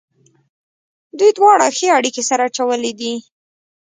دوی دواړو ښې اړېکې سره اچولې دي.